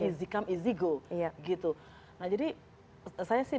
easy come easy go gitu nah jadi saya sih